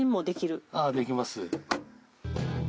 できます。